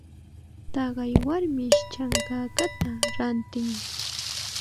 Taqay warmish chankakata rantin.